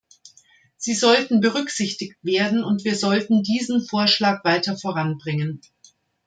Sie sollten berücksichtigt werden, und wir sollten diesen Vorschlag weiter voranbringen.